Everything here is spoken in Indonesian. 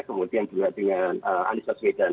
kemudian juga dengan anissa sweden